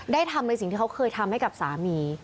ทำในสิ่งที่เขาเคยทำให้กับสามี